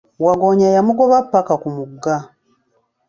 Wagggoonya yamugoba ppaka ku mugga.